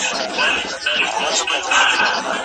جرګه په کوچنیو کارونو کي نه کېږي.